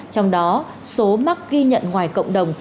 trong đó số mắc ghi nhận ngoài cộng đồng